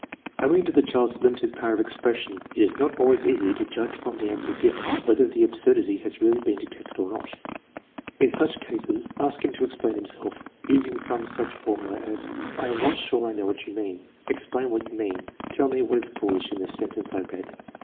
Owing to the child's limited power of expression it is not always easy to judge from the answer given whether the absurdity has really been detected or not. In such cases ask bun to explain himself, using some such formula as: "I am not sure I know what you mean. Explain what you mean. Tell me what is foolish in the sentence I read.'